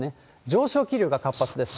上昇気流が活発です。